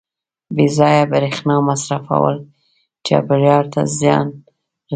• بې ځایه برېښنا مصرفول چاپېریال ته زیان رسوي.